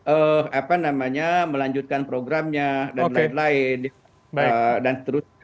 apa namanya melanjutkan programnya dan lain lain